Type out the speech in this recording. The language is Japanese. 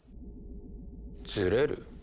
ずれる？